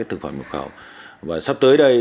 thực phẩm nhập khẩu và sắp tới đây